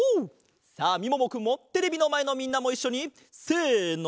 さあみももくんもテレビのまえのみんなもいっしょにせの。